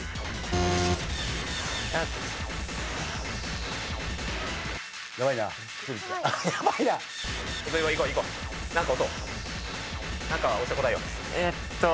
えーっと。